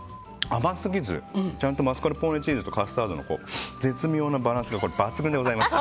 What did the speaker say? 甘すぎずちゃんとマスカルポーネチーズとカスタードの絶妙なバランスが抜群でございます。